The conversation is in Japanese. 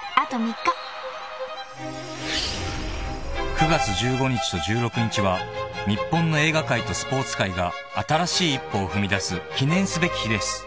［９月１５日と１６日は日本の映画界とスポーツ界が新しい一歩を踏みだす記念すべき日です］